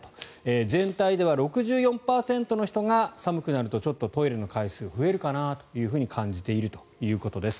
全体では６４％の人が寒くなるとちょっとトイレの回数が増えるかなというふうに感じているということです。